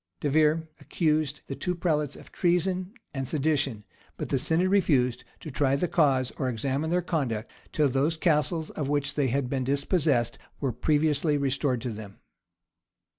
De Vere accused; the two prelates of treason and sedition; but the synod refused, to try the cause, or examine their conduct, till those castles of which they had been dispossessed, were previously restored to them.